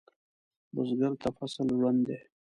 بزګر ته فصل ژوند دی